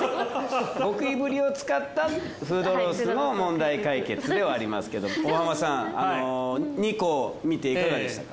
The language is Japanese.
ゴキブリを使ったフードロスの問題解決ではありますけど大浜さん２校見ていかがでしたか？